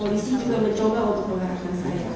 polisi juga mencoba untuk mengarahkan saya